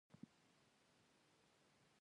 د متل کارونه د موضوع او وخت سره سمه وي